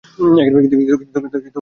কিন্তু তোমার আগ্রহ দেখে ভালো লাগলো।